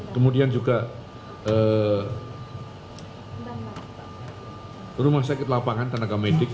kemudian juga rumah sakit lapangan tenaga medik